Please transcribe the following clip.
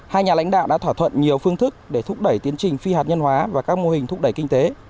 hai nhà lãnh đạo đã thỏa thuận nhiều phương thức để thúc đẩy tiến trình phi hạt nhân hóa và các mô hình thúc đẩy kinh tế